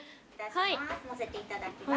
のせていただきます。